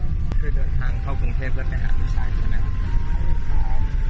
คือเดินทางเข้ากรุงเทพแล้วไปหาลูกชายใช่ไหม